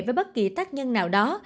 với bất kỳ tác nhân nào đó